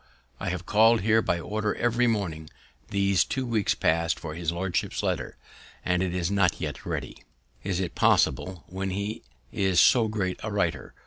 "I have called here by order every morning these two weeks past for his lordship's letter, and it is not yet ready." "Is it possible, when he is so great a writer?